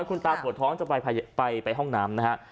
คุณตาปวดท้องจะไปห้องน้ำนะฮะ